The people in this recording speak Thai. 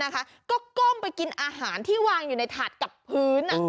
ก็ก้มไปกินอาหารที่วางอยู่ในถาดกับพื้น